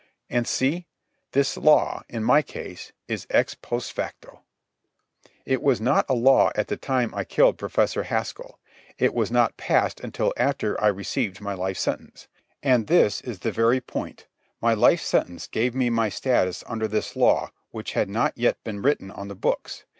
And, see! This law, in my case, is ex post facto. It was not a law at the time I killed Professor Haskell. It was not passed until after I received my life sentence. And this is the very point: my life sentence gave me my status under this law which had not yet been written on the books.